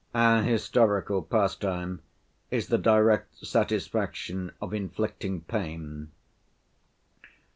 Our historical pastime is the direct satisfaction of inflicting pain.